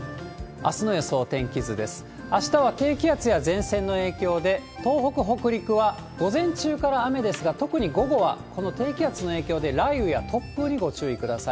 あしたは低気圧や前線の影響で、東北、北陸は午前中から雨ですが、特に午後はこの低気圧の影響で雷雨や突風にご注意ください。